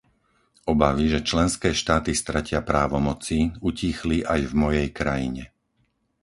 Obavy, že členské štáty stratia právomoci, utíchli aj v mojej krajine.